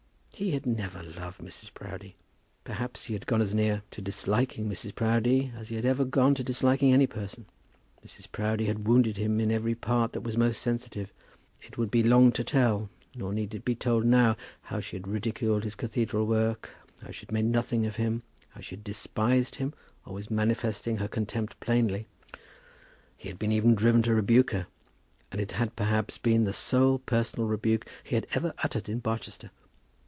He had never loved Mrs. Proudie. Perhaps he had gone as near to disliking Mrs. Proudie as he had ever gone to disliking any person. Mrs. Proudie had wounded him in every part that was most sensitive. It would be long to tell, nor need it be told now, how she had ridiculed his cathedral work, how she had made nothing of him, how she had despised him, always manifesting her contempt plainly. He had been even driven to rebuke her, and it had perhaps been the only personal rebuke which he had ever uttered in Barchester.